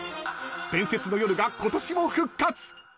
伝説の夜が今年も復活。